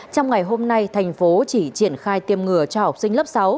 trong ngày hôm nay thành phố chỉ triển khai tiêm ngừa cho học sinh lớp sáu